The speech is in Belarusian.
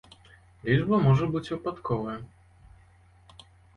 Лічба можа быць выпадковая.